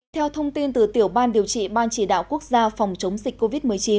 theo thông tin từ tiểu ban điều trị ban chỉ đạo quốc gia phòng chống dịch covid một mươi chín